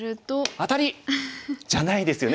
「アタリ！」じゃないですよね